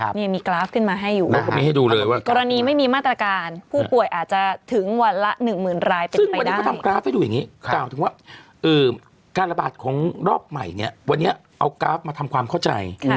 วันนี้เอากราฟมาทำความเข้าใจ